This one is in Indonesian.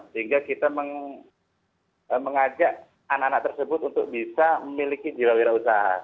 sehingga kita mengajak anak anak tersebut untuk bisa memiliki jilawira usaha